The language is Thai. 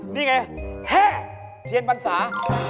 นี่ไงแหาเทียนปัญสา